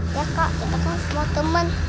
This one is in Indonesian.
ya kak kita kan semua teman